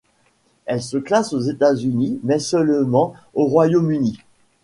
Elle se classe aux États-Unis, mais seulement au Royaume-Uni.